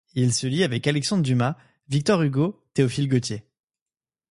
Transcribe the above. Il se lie avec Alexandre Dumas, Victor Hugo, Théophile Gautier.